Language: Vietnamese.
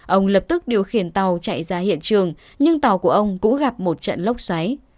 ông lập tức điều khiển tàu chạy ra hiện trường nhưng tàu của ông cũng gặp một trận lốc xoáy